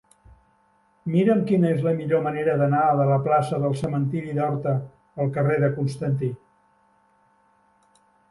Mira'm quina és la millor manera d'anar de la plaça del Cementiri d'Horta al carrer de Constantí.